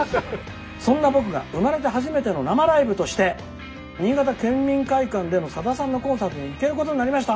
「そんな僕が生まれて初めての生ライブとして新潟県民会館でのさださんのコンサートに行けることになりました！」。